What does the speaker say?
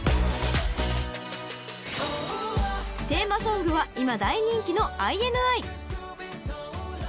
［テーマソングは今大人気のＩＮＩ］